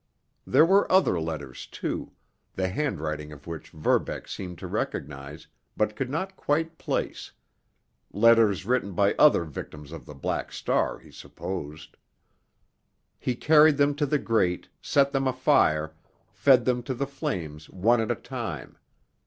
There were other letters, too, the handwriting of which Verbeck seemed to recognize, but could not quite place—letters written by other victims of the Black Star, he supposed. He carried them to the grate, set them afire, fed them to the flames one at a time.